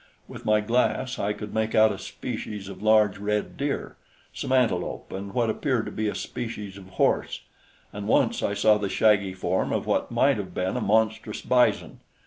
With my glass I could make out a species of large red deer, some antelope and what appeared to be a species of horse; and once I saw the shaggy form of what might have been a monstrous bison.